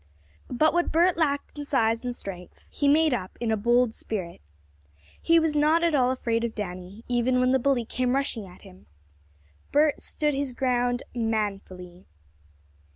But what Bert lacked in size and strength he made up in a bold Spirit. He was not at all afraid of Danny, even when the bully came rushing at him. Bert stood his ground manfully.